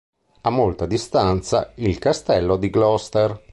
A molta distanza, il castello di Gloster.